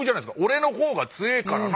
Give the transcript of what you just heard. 「俺の方が強えからな！」